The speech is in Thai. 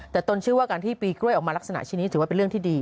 แต่ตนเชื่อว่าการที่ปลีกล้วยออกมาลักษณะชิ้นนี้ถือว่าเป็นเรื่องที่ดี